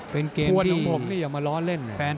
ทวนของผมนี่อย่ามาล้อเล่น